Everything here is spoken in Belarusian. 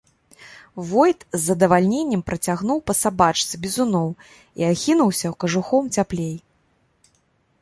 Войт з задавальненнем працягнуў па сабачцы бізуном і ахінуўся кажухом цяплей.